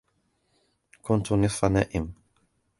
كُنتُ نِصفَ نائم